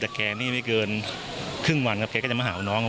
แต่แกนี่ไม่เกินครึ่งวันครับแกก็จะมาหาน้อง